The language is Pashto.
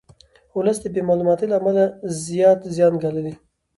ولس د بې معلوماتۍ له امله زیات زیان ګالي.